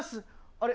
あれ？